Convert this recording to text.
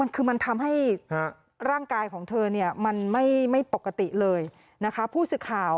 คือมันทำให้ร่างกายของเธอไม่ปกติเลยนะคะ